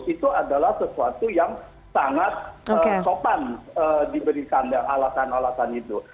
itu adalah sesuatu yang sangat sopan diberikan alasan alasan itu